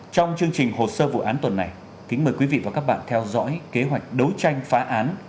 trong chương trình hồ sơ vụ án tuần này kính mời quý vị và các bạn theo dõi kế hoạch đấu tranh phá án